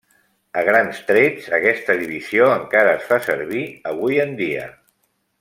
A grans trets, aquesta divisió encara es fa servir avui en dia.